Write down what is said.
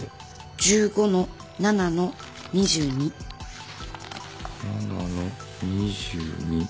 「１５−７−２２」７−２２。